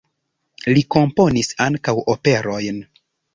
Li komponis ankaŭ operojn.